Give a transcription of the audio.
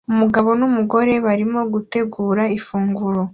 Umugabo n'umugore barimo gutegura ifunguro